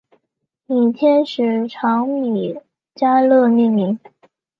以天使长米迦勒命名。